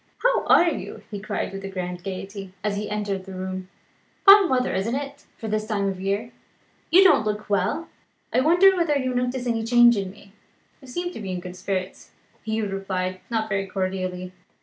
"How are you?" he cried with a grand gaiety, as he entered the room. "Fine weather, isn't it, for the time of year? You don't look well. I wonder whether you notice any change in me? "You seem to be in good spirits," Hugh replied, not very cordially.